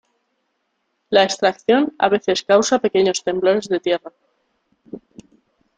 La extracción a veces causa pequeños temblores de tierra.